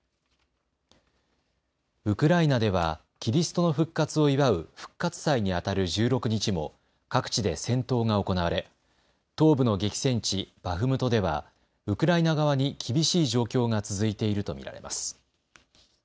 ウクライナではキリストの復活を祝う復活祭にあたる１６日も各地で戦闘が行われ東部の激戦地、バフムトではウクライナ側に厳しい状況が続いていると見られます。